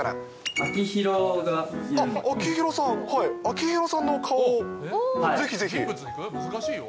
秋広さんの顔を、ぜひぜひ。